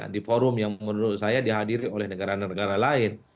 di forum yang menurut saya dihadiri oleh negara negara lain